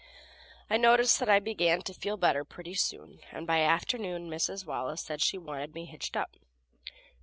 I noticed that I began to feel better pretty soon, and by afternoon Mrs. Wallace said she wanted me hitched up.